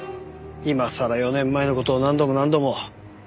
今さら４年前の事を何度も何度も。